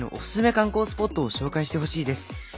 観光スポットを紹介してほしいです」。